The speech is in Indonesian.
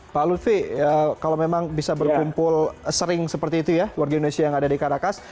pak lutfi kalau memang bisa berkumpul sering seperti itu ya warga indonesia yang ada di karakas